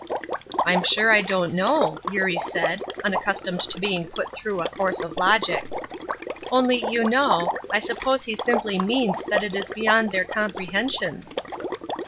"I'm sure I don't know," Eurie said, unaccustomed to being put through a course of logic. "Only, you know, I suppose he simply means that it is beyond their comprehensions."